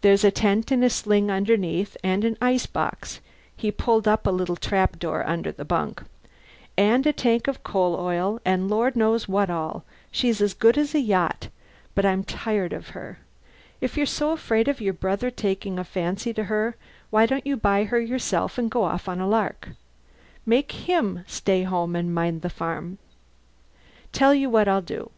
There's a tent in a sling underneath, and an ice box (he pulled up a little trap door under the bunk) and a tank of coal oil and Lord knows what all. She's as good as a yacht; but I'm tired of her. If you're so afraid of your brother taking a fancy to her, why don't you buy her yourself and go off on a lark? Make him stay home and mind the farm!... Tell you what I'll do.